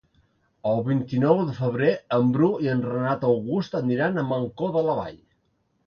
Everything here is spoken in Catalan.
El vint-i-nou de febrer en Bru i en Renat August aniran a Mancor de la Vall.